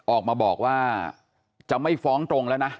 ออกมาบอกว่าจะไม่ฟ้องตรงแล้วนะ